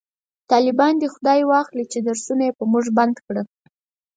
طالبان دی خداي واخلﺉ چې درسونه یې په موژ بند کړو